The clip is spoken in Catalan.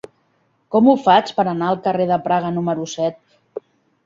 Com ho faig per anar al carrer de Praga número set?